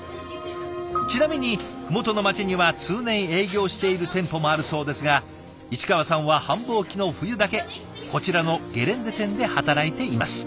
ちなみに麓の町には通年営業している店舗もあるそうですが市川さんは繁忙期の冬だけこちらのゲレンデ店で働いています。